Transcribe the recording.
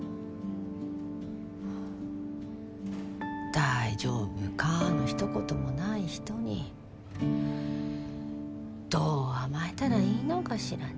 「大丈夫か？」の一言もない人にどう甘えたらいいのかしらね。